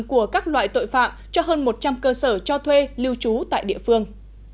của các loại tội phạm cho hơn một trăm linh cơ sở cho thuê lưu trú tại địa phương